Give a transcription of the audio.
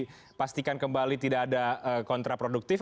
kalau kemudian itu perlu dipastikan kembali tidak ada kontraproduktif